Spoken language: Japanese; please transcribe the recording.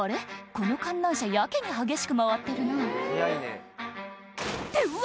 この観覧車やけに激しく回ってるなってうわ！